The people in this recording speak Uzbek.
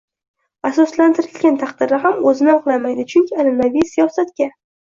asoslantirilgan taqdirda ham o‘zini oqlamaydi. Chunki an’anaviy siyosatga